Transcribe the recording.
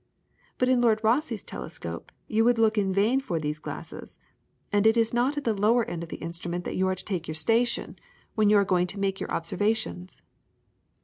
But in Lord Rosse's telescope you would look in vain for these glasses, and it is not at the lower end of the instrument that you are to take your station when you are going to make your observations.